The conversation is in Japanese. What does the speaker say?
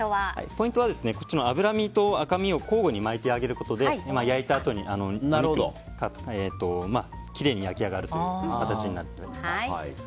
ポイントは脂身と赤身を交互に巻いてあげることで焼いたあとにきれいに焼き上がるという形になっています。